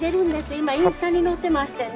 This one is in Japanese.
今インスタに載ってましてね。